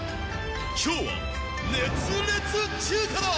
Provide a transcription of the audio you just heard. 今日は熱烈中華だ。